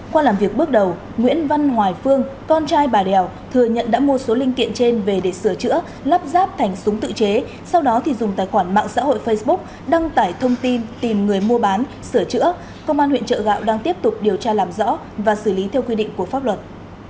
qua làm việc bước đầu nguyễn văn hoài phương con trai bà đèo thừa nhận đã mua số linh kiện trên về để sửa chữa lắp ráp thành súng tự chế sau đó thì dùng tài khoản mạng xã hội facebook đăng tải thông tin tìm người mua bán sửa chữa công an huyện chợ gạo đang tiếp tục điều tra làm rõ và xử lý theo quy định của pháp luật